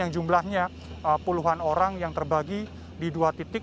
yang jumlahnya puluhan orang yang terbagi di dua titik